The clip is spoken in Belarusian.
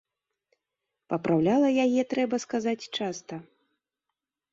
Папраўляла яе, трэба сказаць, часта.